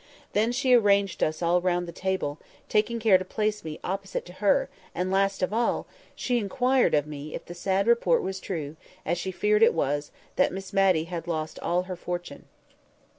Then she arranged us all round the table, taking care to place me opposite to her; and last of all, she inquired of me if the sad report was true, as she feared it was, that Miss Matty had lost all her fortune?